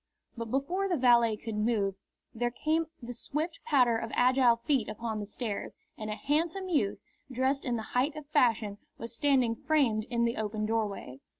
But before the valet could move there came the swift patter of agile feet upon the stairs, and a handsome youth, dressed in the height of fashion, was standing framed in the open doorway.